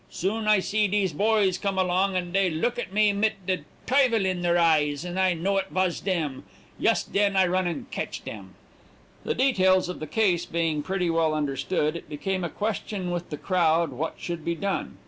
Soon I see dese boys come along, and dey look at me mit de tuyvel in deir eyes, and I know it vas dem. Yust den I run and ketch dem.' "The details of the case being pretty well understood, it became a question with the crowd what should be done.